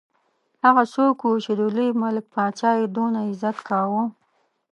هغه څوک وو چې د لوی ملک پاچا یې دونه عزت کاوه.